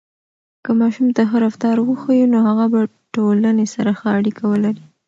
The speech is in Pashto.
که ماشوم ته ښه رفتار وښیو، نو هغه به ټولنې سره ښه اړیکه ولري.